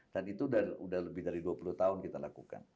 dan itu sudah lebih dari dua puluh tahun kita lakukan